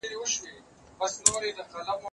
هغه وويل چي ليکنه مهمه ده،